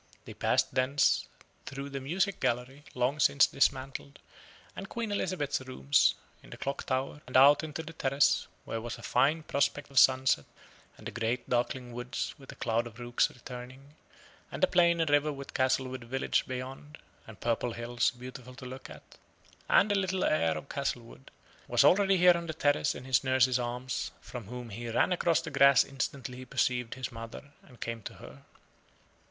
They passed thence through the music gallery, long since dismantled, and Queen Elizabeth's Rooms, in the clock tower, and out into the terrace, where was a fine prospect of sunset and the great darkling woods with a cloud of rooks returning; and the plain and river with Castlewood village beyond, and purple hills beautiful to look at and the little heir of Castlewood, a child of two years old, was already here on the terrace in his nurse's arms, from whom he ran across the grass instantly he perceived his mother, and came to her.